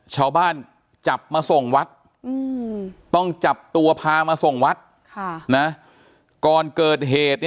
ชาวบ้านจับมาส่งวัดต้องจับตัวพามาส่งวัด